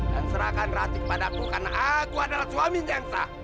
dan serahkan rati kepadaku karena aku adalah suaminya yang sah